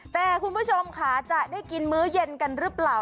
แต่คุณผู้ชมค่ะจะได้กินมื้อเย็นกันหรือเปล่า